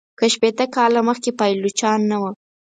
که شپیته کاله مخکي پایلوچان نه وه.